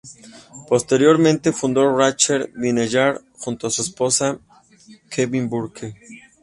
Posteriormente fundó Rachel’s Vineyard, junto a su esposo, Kevin Burke.